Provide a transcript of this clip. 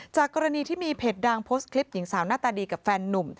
กรณีที่มีเพจดังโพสต์คลิปหญิงสาวหน้าตาดีกับแฟนนุ่ม